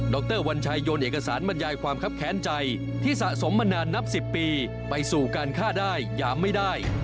รวัญชัยโยนเอกสารบรรยายความคับแค้นใจที่สะสมมานานนับ๑๐ปีไปสู่การฆ่าได้หยามไม่ได้